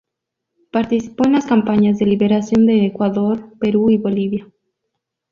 Participó en las campañas de liberación de Ecuador, Perú y Bolivia.